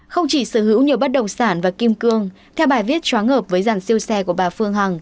không chỉ sở hữu nhiều bất động sản và kim cương theo bài viết tróa ngợp với giàn siêu xe của bà phương hằng